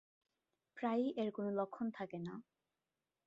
প্রায়ই এর কোন লক্ষণ থাকেনা।